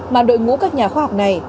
mà đội ngũ các nhà khoa học này